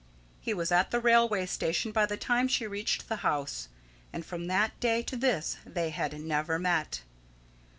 He was at the railway station by the time she reached the house, and from that day to this they had never met.